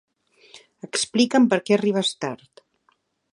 Explica'm per què arribes tard.